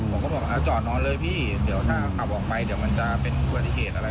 ผมก็บอกจอดนอนเลยพี่เดี๋ยวถ้าขับออกไปเดี๋ยวมันจะเป็นอุบัติเหตุอะไร